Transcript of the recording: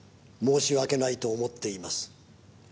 「申し訳ないと思っています」